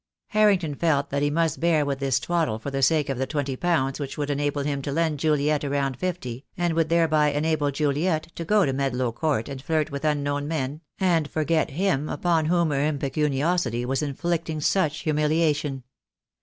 Harrington felt that he must bear with this twaddle for the sake of the twenty pounds which would enable him to lend Juliet a round fifty, and would thereby enable Juliet to go to Medlow Court and flirt with unknown men, and forget him upon whom her impecuniosity was inflicting such humiliation.